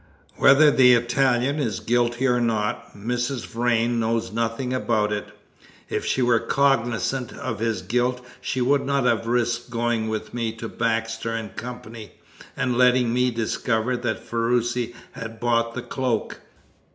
"Whether the Italian is guilty or not, Mrs. Vrain knows nothing about it. If she were cognisant of his guilt she would not have risked going with me to Baxter & Co., and letting me discover that Ferruci had bought the cloak.